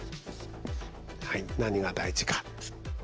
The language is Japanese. はい何が大事か。